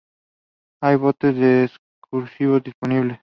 Hay botes de excursión disponibles.